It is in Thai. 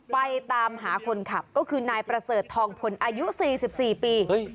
ไปตามหาคนขับก็คือนายประเสริฐทองพลอายุ๔๔ปี